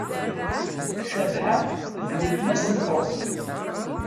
Cabḥa d weltma-s n Tom.